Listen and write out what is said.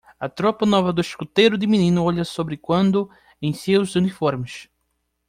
A tropa nova do escuteiro de menino olha sobre quando em seus uniformes.